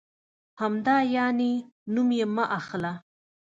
همدا یعنې؟ نوم یې مه اخله.